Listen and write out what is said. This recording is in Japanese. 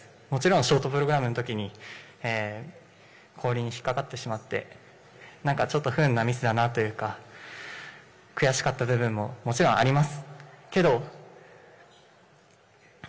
もちろんショートプログラムのときに氷に引っ掛かってしまってなんかちょっと不運なミスというか悔しかった部分ももちろんあります。